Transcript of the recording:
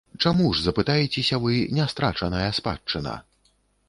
Чаму ж, запытаецеся вы, нястрачаная спадчына?